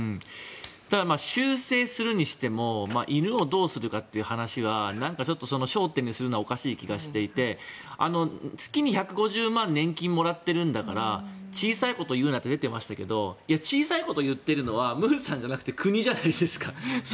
ただ、修正するにしても犬をどうするかという話は焦点にするのはおかしい気がしていて月に１５０万円年金をもらっているんだから小さいことを言うなと出ていましたが小さいことを言っているのは文さんじゃなくて国じゃないですか。